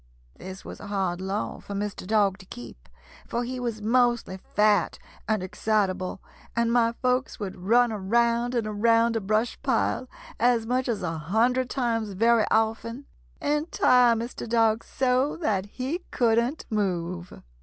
This was a hard law for Mr. Dog to keep, for he was mostly fat and excitable, and my folks would run around and around a brush pile, as much as a hundred times very often, and tire Mr. Dog so that he couldn't move.